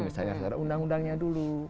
misalnya harus ada undang undangnya dulu